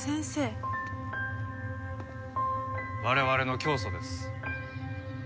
我々の教祖です。